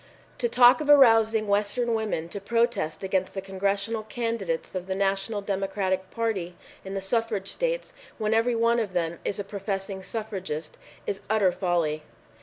"To talk of arousing the Western women to protest against the Congressional candidates of the National Democratic Party in the suffrage states, when every one of them is a professing suffragist, is utter folly."